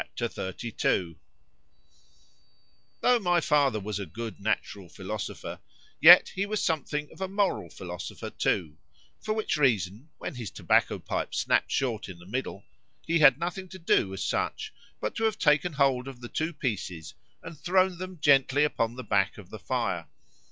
XXXII THO' my father was a good natural philosopher,—yet he was something of a moral philosopher too; for which reason, when his tobacco pipe snapp'd short in the middle,—he had nothing to do, as such, but to have taken hold of the two pieces, and thrown them gently upon the back of the fire.